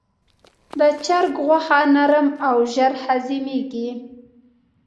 د چرګ غوښه نرم او ژر هضمېږي.